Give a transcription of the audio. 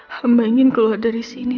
hamba ingin keluar dari sini